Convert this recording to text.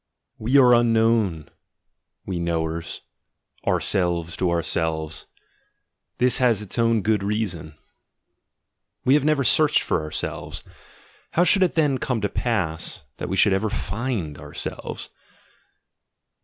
We are unknown, we knowers, ourselves to ourselves: this has its own good reason. We have never searched for ourselves — how should it then come to pass, that we should ever find ourselves?